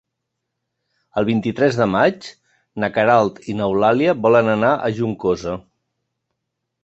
El vint-i-tres de maig na Queralt i n'Eulàlia volen anar a Juncosa.